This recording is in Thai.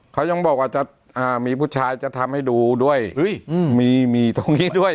เขายังบอกว่าจะมีผู้ชายจะทำให้ดูด้วยมีมีตรงนี้ด้วย